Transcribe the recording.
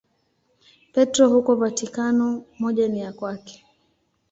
Petro huko Vatikano, moja ni ya kwake.